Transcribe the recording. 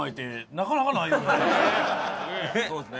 そうですね。